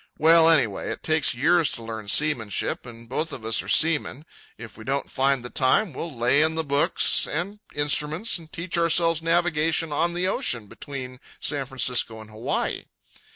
Well, anyway, it takes years to learn seamanship, and both of us are seamen. If we don't find the time, we'll lay in the books and instruments and teach ourselves navigation on the ocean between San Francisco and Hawaii.